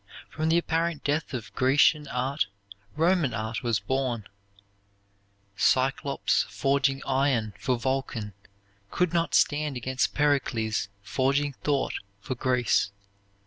From the apparent death of Grecian art Roman art was born. "Cyclops forging iron for Vulcan could not stand against Pericles forging thought for Greece."